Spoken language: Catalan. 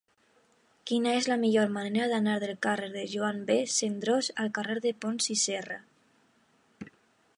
Quina és la millor manera d'anar del carrer de Joan B. Cendrós al carrer de Pons i Serra?